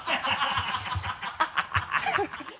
ハハハ